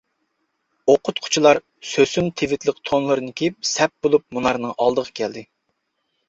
ئوقۇتقۇچىلار سۆسۈن تىۋىتلىق تونلىرىنى كىيىپ، سەپ بولۇپ مۇنارنىڭ ئالدىغا كەلدى.